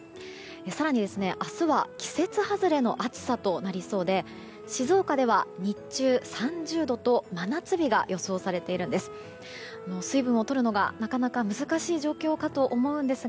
更に、明日は季節外れの暑さとなりそうで静岡では日中、３０度と真夏日が予想されているんです。